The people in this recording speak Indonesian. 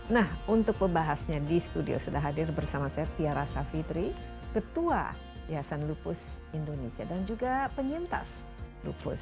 nah untuk pembahasnya di studio sudah hadir bersama saya tiara savitri ketua yayasan lupus indonesia dan juga penyintas lupus